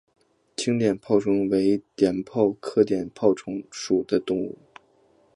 鲫碘泡虫为碘泡科碘泡虫属的动物。